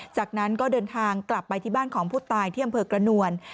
จากนั้นก็เดินทางกลับไปที่บ้านของผู้ตายที่อำเภอกระนวล